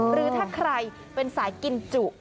หรือถ้าใครเป็นสายกินจุ